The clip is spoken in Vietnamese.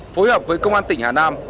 phối hợp với công an tỉnh hà nam